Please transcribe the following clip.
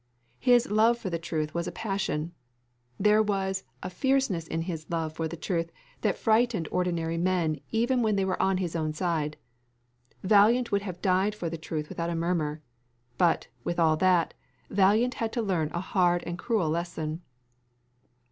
His love for the truth was a passion. There was a fierceness in his love for the truth that frightened ordinary men even when they were on his own side. Valiant would have died for the truth without a murmur. But, with all that, Valiant had to learn a hard and a cruel lesson.